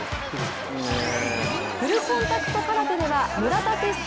フルコンタクト空手では村田哲成